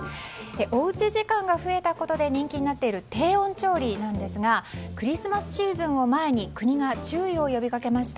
おうち時間が増えたことで人気になっている低温調理なんですがクリスマスシーズンを前に国が注意を呼びかけました。